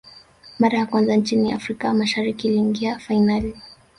mara ya kwanza nchi ya afrika mashariki iliingia fainali